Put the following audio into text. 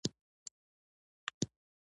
استاد د زړونو درد درک کوي.